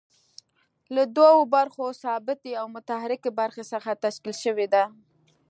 له دوو برخو ثابتې او متحرکې برخې څخه تشکیل شوې ده.